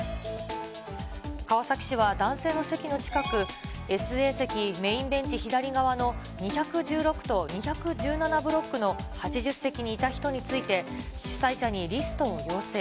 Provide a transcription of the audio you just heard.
川崎市は男性の席の近く、ＳＡ席メインベンチ左側の２１６と２１７ブロックの８０席にいた人について、主催者にリストを要請。